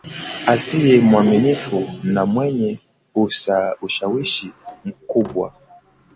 asiye mwaminifu na mwenye ushawishi mkubwa